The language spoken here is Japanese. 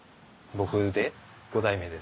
僕で５代目です。